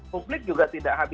publik juga tidak habis